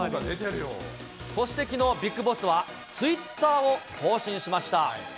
そしてきのう、ビッグボスは、ツイッターを更新しました。